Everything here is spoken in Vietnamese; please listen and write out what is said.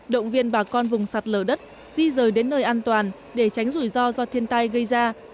động viên bà con vùng sạt lở đất di rời đến nơi an toàn để tránh rủi ro do thiên tai gây ra